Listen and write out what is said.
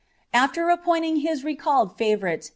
After appointing lii> recalled favourite.